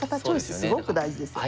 すごく大事ですよね。